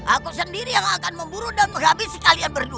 aku sendiri yang akan memburu dan menghabiskan kalian